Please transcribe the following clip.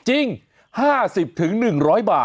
จริง๕๐๑๐๐บาท